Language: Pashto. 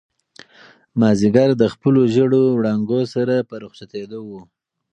مازیګر د خپلو ژېړو وړانګو سره په رخصتېدو و.